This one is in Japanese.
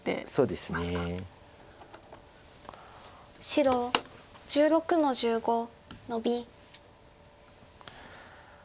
白１６の十五ノビ。